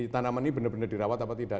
tanaman ini benar benar dirawat apa tidak